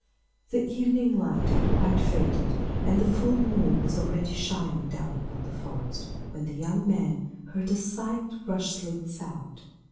The evening light had quite faded, and the full moon was already shining down upon the forest, when the young man heard a slight rustling sound.